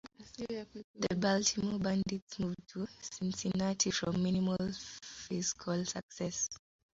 The Baltimore Bandits moved to Cincinnati from minimal fiscal success.